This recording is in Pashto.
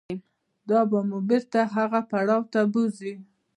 دا به مو بېرته هغه پړاو ته بوځي.